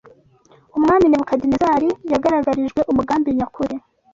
Umwami Nebukadinezari yagaragarijwe umugambi nyakuri